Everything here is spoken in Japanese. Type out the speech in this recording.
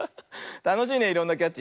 たのしいねいろんなキャッチ。